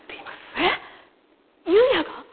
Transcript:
えっ悠也が！？